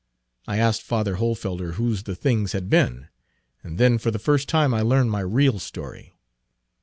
I asked father Hohlfelder whose the things had been, and then for the first time I learned my real story.